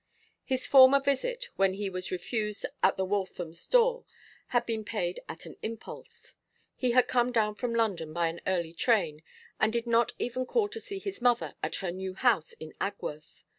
His former visit, when he was refused at the Walthams' door, had been paid at an impulse; he had come down from London by an early train, and did not even call to see his mother at her new house in Agworth.